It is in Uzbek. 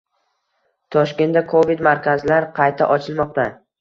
Toshkentda kovid-markazlar qayta ochilmoqda